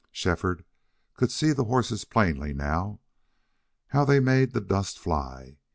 Shefford could see the horses plainly now. How they made the dust fly!